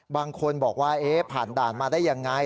บางคนบอกว่าผ่านด่านมาได้ยังไง